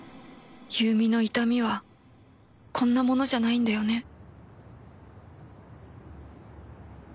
優美の痛みはこんなものじゃないんだよね